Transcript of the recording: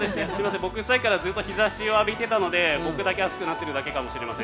僕、さっきからずっと日差しを浴びていたので僕だけ暖かくなっているだけかもしれません。